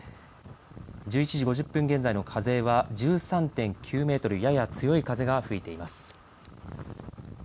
１１時５０分現在の風は１３．９メートルやや強い風が吹いています。